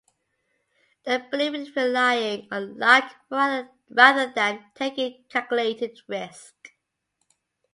They believe in relying on luck rather than taking calculated risks.